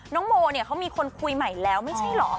น้องโมเนี่ยเขามีคนคุยใหม่แล้วไม่ใช่เหรอ